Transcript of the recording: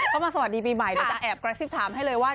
มาสวัสดีปีใหม่เดี๋ยวจะแอบกระซิบถามให้เลยว่า